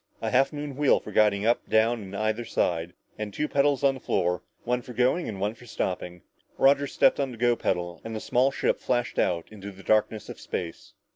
A half moon wheel for guiding, up, down and either side, and two pedals on the floor, one for going and one for stopping. Roger stepped on the "Go" pedal and the small ship flashed out into the darkness of space.